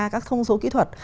các thông số kỹ thuật